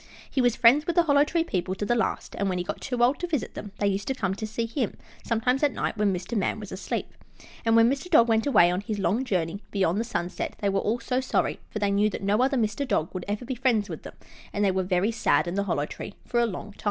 He was friends with the Hollow Tree people to the last, and when he got too old to visit them, they used to come to see him, sometimes at night, when Mr. Man was asleep. And when Mr. Dog went away on his long journey beyond the sunset they were all so sorry, for they knew that no other Mr. Dog would ever be friends with them, and they were very sad in the Hollow Tree for a long time.